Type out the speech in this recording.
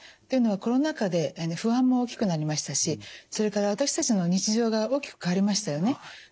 というのはコロナ禍で不安も大きくなりましたしそれから私たちの日常が大きく変わりましたよね。